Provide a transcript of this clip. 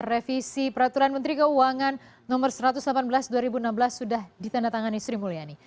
revisi peraturan menteri keuangan no satu ratus delapan belas dua ribu enam belas sudah ditanda tangan istri muliani